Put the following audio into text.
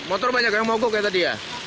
oh hujannya ini dari tadi